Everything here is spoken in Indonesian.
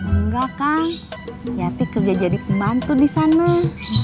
enggak kang yati kerja jadi pembantu di sana